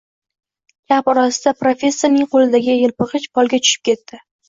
Gap orasida professorning qo`lidagi elpig`ich polga tushib ketdi